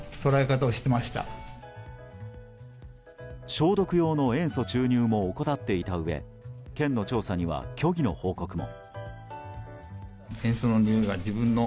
消毒用の塩素注入も怠っていたうえ県の調査には虚偽の報告も。